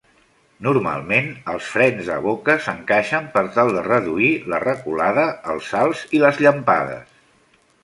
Normalment, els frens de boca s'encaixen per tal de reduir la reculada, els salts i les llampades.